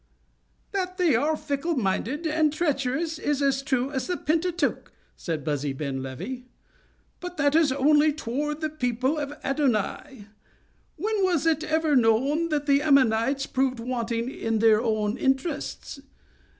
"That they are fickle minded and treacherous is as true as the Pentateuch," said Buzi Ben Levi, "but that is only toward the people of Adonai. When was it ever known that the Ammonites proved wanting to their own interests?